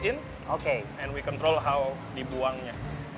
dan kita mengawal bagaimana dibuangnya